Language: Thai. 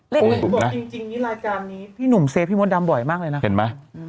บอกจริงนี่รายการนี้พี่หนุ่มเซฟพี่มดดำบ่อยมากเลยนะเห็นไหม